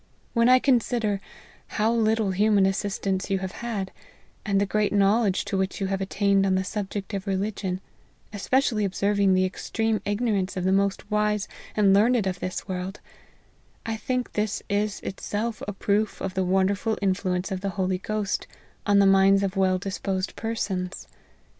When I consider how little human assistance you have had, and the great knowledge to which you have attained on the subject of religion, especially ob serving the extreme ignorance of the most wise and learned of this world, I think this is itself a proof of the wonderful influence of the Holy Ghost on the minds of well disposed persons.